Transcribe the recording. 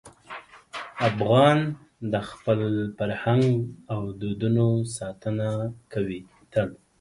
افغان د خپل فرهنګ او دودونو ساتنه کوي.